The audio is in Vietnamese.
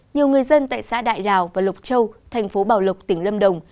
nhiều người dân tại xã đại đào và lộc châu thành phố bảo lộc tỉnh lâm đồng